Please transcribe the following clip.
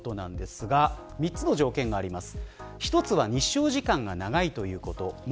３つの条件があります。